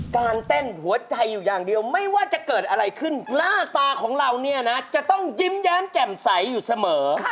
เต้นหัวใจอยู่อย่างเดียวไม่ว่าจะเกิดอะไรขึ้นหน้าตาของเราเนี่ยนะจะต้องยิ้มแย้มแจ่มใสอยู่เสมอ